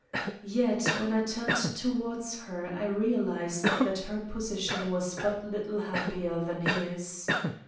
"Yet when I turned towards her I realized that her position was but little happier than his.